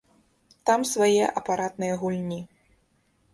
Там свае апаратныя гульні.